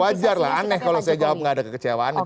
wajar lah aneh kalau saya jawab nggak ada kecewaan itu aneh